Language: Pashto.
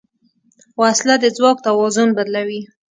وسله د ځواک توازن بدلوي